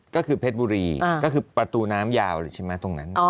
ก็คือเพชรบุรีก็คือประตูน้ำยาวเลยใช่ไหมตรงนั้น